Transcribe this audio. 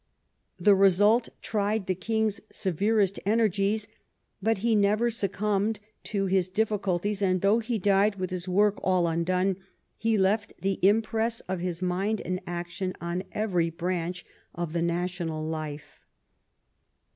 The result tried the king's severest energies, but he never succumbed to his diffi culties, and though he died with his work all undone, he left the impress of his mind and action on every branch of the national life.